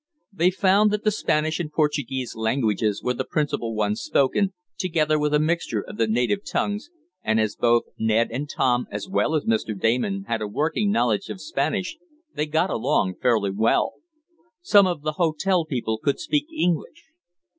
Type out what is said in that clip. They found that the Spanish and Portuguese languages were the principal ones spoken, together with a mixture of the native tongues, and as both Ned and Tom, as well as Mr. Damon, had a working knowledge of Spanish they got along fairly well. Some of the hotel people could speak English.